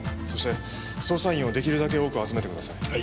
そして捜査員をできるだけ多く集めてください。